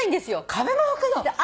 壁も拭くの！